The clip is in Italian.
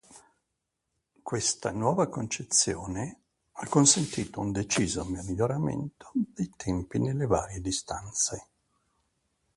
Questa nuova concezione ha consentito un deciso miglioramento dei tempi nella varie distanze.